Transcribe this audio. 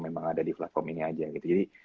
memang ada di platform ini aja gitu jadi